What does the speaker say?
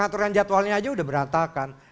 dan jadwalnya aja udah berantakan